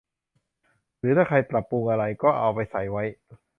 หรือถ้าใครปรับปรุงอะไร ก็เอาไปใส่ไว้